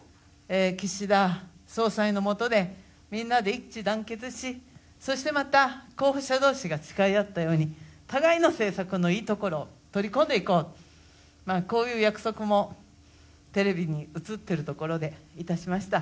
岸田総裁のもとでみんなで一致団結し、そしてまた候補者同士が誓い合ったように互いの政策のいいところを取り込んでいこうこういう約束もテレビに映っているところでいたしました。